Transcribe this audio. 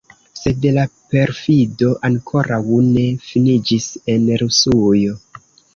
Sed la perfido ankoraŭ ne finiĝis en Rusujo.